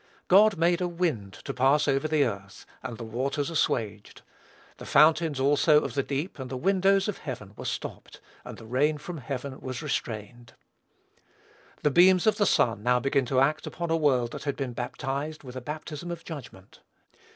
"God made a wind to pass over the earth; and the waters assuaged; the fountains also of the deep and the windows of heaven were stopped, and the rain from heaven was restrained." The beams of the sun now begin to act upon a world that had been baptized with a baptism of judgment.